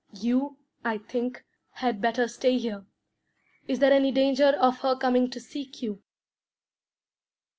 "You, I think, had better stay here. Is there any danger of her coming to seek you?"